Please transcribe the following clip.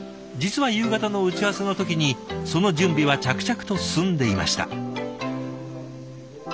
実は夕方の打ち合わせの時にその準備は着々と進んでいました。